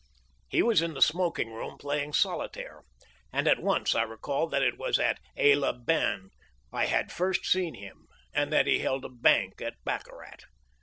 He was in the smoking room playing solitaire, and at once I recalled that it was at Aix les Bains I had first seen him, and that he held a bank at baccarat.